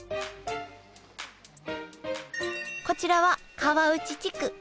こちらは川内地区。